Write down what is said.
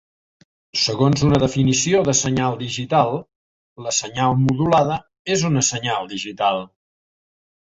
Segons una definició de senyal digital, la senyal modulada és una senyal digital.